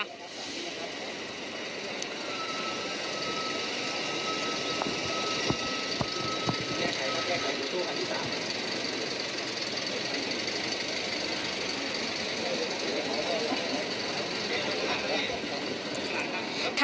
นี่ค่ะ